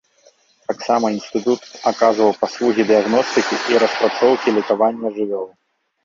Таксама інстытут аказваў паслугі дыягностыкі і распрацоўкі лекавання жывёл.